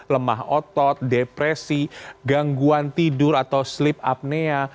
lemah otot depresi gangguan tidur atau sleep apnea